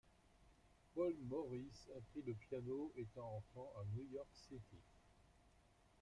Paul Morris apprit le piano étant enfant à New York City.